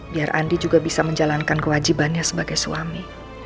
biar andi juga bisa menjalankan kewajibannya sebagai suami